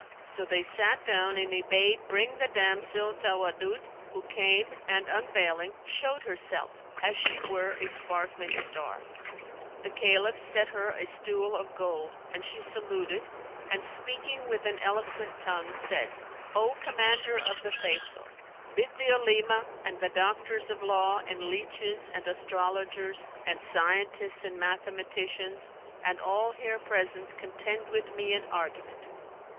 So they sat down and he bade bring the damsel Tawaddud who came and unveiling, showed herself, as she were a sparkling star.[FN#297] The Caliph set her a stool of gold; and she saluted, and speaking with an eloquent tongue, said, "O Commander of the Faithful, bid the Olema and the doctors of law and leaches and astrologers and scientists and mathematicians and all here present contend with me in argument."